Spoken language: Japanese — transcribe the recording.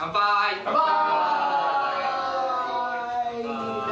乾杯。